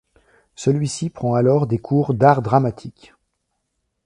Celui-ci prend alors des cours d'art dramatique.